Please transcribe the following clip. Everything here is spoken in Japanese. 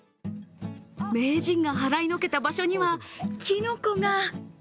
名人が払いのけた場所には、きのこが。